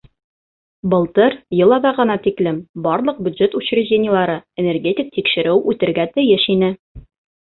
Былтыр йыл аҙағына тиклем барлыҡ бюджет учреждениелары энергетик тикшереү үтергә тейеш ине.